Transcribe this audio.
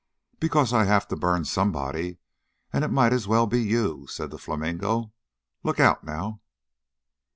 "Oh, because I have to burn somebody, and it might as well be you!" said the flamingo. "Look out, now!"